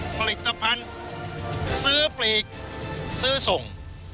ผลิตภัณฑ์ซื้อปลีกซื้อส่ง